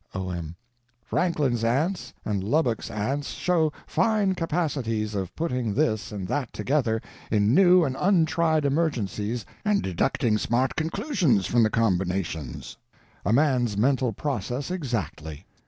O.M. Franklin's ants and Lubbuck's ants show fine capacities of putting this and that together in new and untried emergencies and deducting smart conclusions from the combinations—a man's mental process exactly.